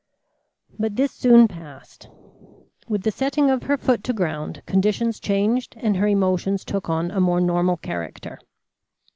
But this soon passed. With the setting of her foot to ground, conditions changed and her emotions took on a more normal character.